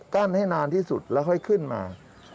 ให้นานที่สุดแล้วค่อยขึ้นมา